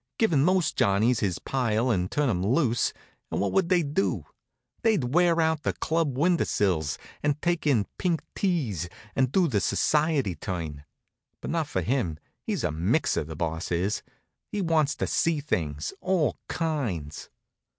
Give most Johnnies his pile and turn 'em loose, and what would they do? They'd wear out the club window sills, and take in pink teas, and do the society turn. But not for him. He's a mixer, the Boss is. He wants to see things, all kinds.